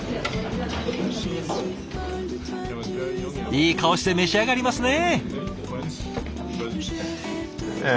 いい顔して召し上がりますね！